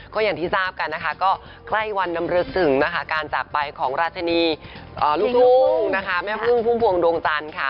ก็อย่างที่ทราบกันใกล้วันนำรับถึงการจับไปของราชนีแม่ฟึ่งพุงพวงดวงตัน